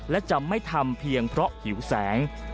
และจะไม่ทำเพียงเพราะหิวแสง